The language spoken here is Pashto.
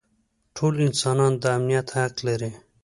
ټول انسانان د امنیت حق لري.